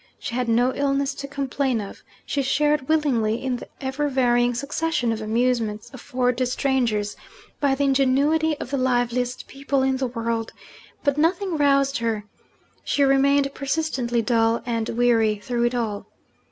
She had no illness to complain of; she shared willingly in the ever varying succession of amusements offered to strangers by the ingenuity of the liveliest people in the world but nothing roused her: she remained persistently dull and weary through it all.